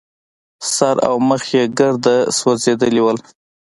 سر او مخ يې ګرده سوځېدلي وو.